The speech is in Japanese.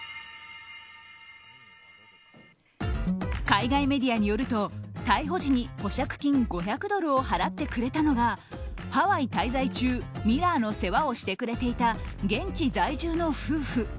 海外メディアによると逮捕時に保釈金５００ドルを払ってくれたのがハワイ滞在中ミラーの世話をしてくれていた現地在住の夫婦。